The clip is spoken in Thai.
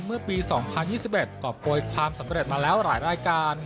เมื่อปีสองพันยี่สิบเอ็ดกรอบโกยความสำเร็จมาแล้วหลายรายการ